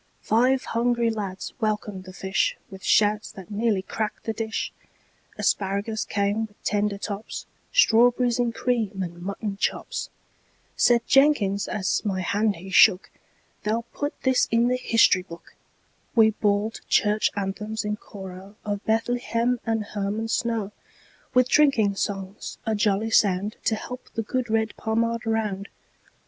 Five hungry lads welcomed the fishWith shouts that nearly cracked the dish; Asparagus came with tender tops, Strawberries in cream, and mutton chops. Said Jenkins, as my hand he shook,"They'll put this in the history book."We bawled Church anthems in choroOf Bethlehem and Hermon snow, With drinking songs, a jolly soundTo help the good red Pommard round.